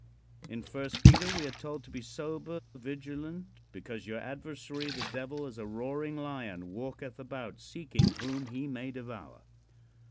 In First Peter we are told to be sober, vigilant, "because your adversary, the Devil, as a roaring lion, walketh about, seeking whom he may devour."